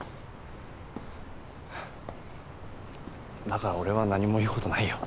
だから俺は何も言う事ないよ。